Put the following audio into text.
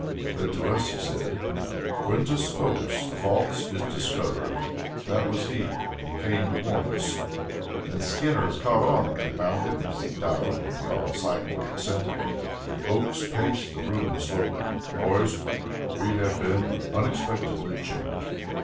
Then to us he said: "Quintus Oakes the false is discovered. That was he; he came to warn us." "Then Skinner has caught on, confound him," said Dowd, and we all silently assented. Oakes paced the room slowly. "Boys, we have been unexpectedly checked.